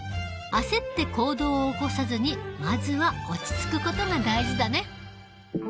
あせって行動を起こさずにまずは落ち着くことが大事だね。